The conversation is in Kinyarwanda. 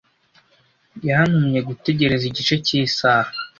Yantumye gutegereza igice cy'isaha.